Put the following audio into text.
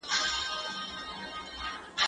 زه به سبا انځور وګورم!؟